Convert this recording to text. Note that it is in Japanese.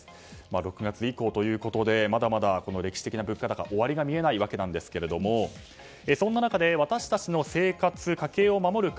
６月以降ということでこの歴史的な物価高終わりが見えないわけですがそんな中で私たちの生活家計を守る鍵